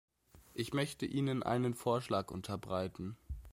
Ich möchte Ihnen einen Vorschlag unterbreiten.